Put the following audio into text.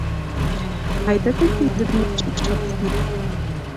Айда таче йӱдым меат шикшалтына.